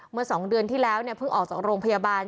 เมื่อ๒เดือนที่แล้วเนี่ยเพิ่งออกจากโรงพยาบาล